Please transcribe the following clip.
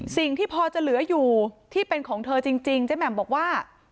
สิ่งที่พอจะเหลืออยู่ที่เป็นของเธอจริงเจ๊แหม่มบอกว่า